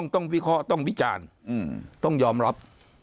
วิเคราะห์ต้องวิจารณ์ต้องยอมรับ